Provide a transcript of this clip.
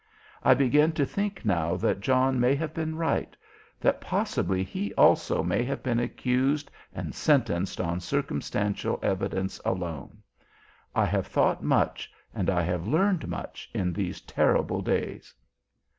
I begin to think now that John may have been right, that possibly he also may have been accused and sentenced on circumstantial evidence alone. I have thought much, and I have learned much in these terrible days."